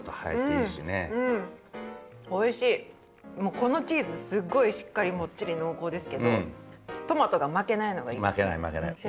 このチーズすごいしっかりモッチリ濃厚ですけどトマトが負けないのがいいですね。